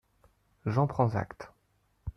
J’en prends acte.